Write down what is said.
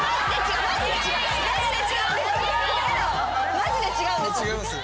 マジで違うんです。